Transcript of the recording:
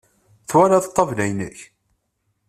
Twalaḍ ṭṭabla-inek?